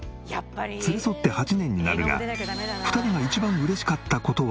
連れ添って８年になるが２人が一番嬉しかった事は？